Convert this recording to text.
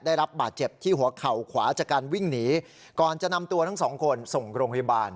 ได้รับบาดเจ็บที่หัวเข่าขวาจากการวิ่งหนีก่อนจะนำตัวทั้งสองคนส่งโรงพยาบาล